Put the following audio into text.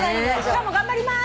今日も頑張りまーす！